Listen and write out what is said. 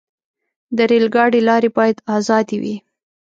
د ریل ګاډي لارې باید آزادې وي.